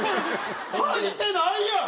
はいてないやん！